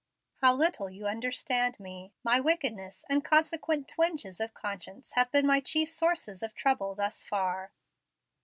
"How little you understand me! My wickedness and consequent twinges of conscience have been my chief sources of trouble thus far."